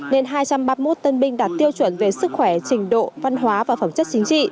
nên hai trăm ba mươi một tân binh đạt tiêu chuẩn về sức khỏe trình độ văn hóa và phẩm chất chính trị